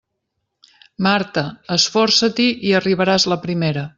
Marta, esforça-t'hi i arribaràs la primera.